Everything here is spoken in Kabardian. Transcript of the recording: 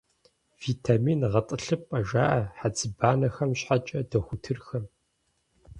«Витамин гъэтӀылъыпӀэ» жаӀэ хьэцыбанэхэм щхьэкӀэ дохутырхэм.